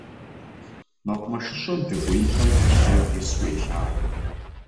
МэкъумэшыщӀэм дэкӀуеипӀэм блэр тесу елъагъу.